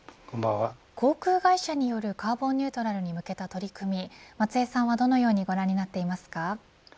航空会社によるカーボンニュートラルに向けた取り組み松江さんはどのようにご覧になっていますか。